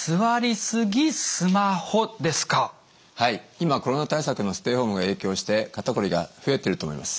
今コロナ対策のステイホームが影響して肩こりが増えていると思います。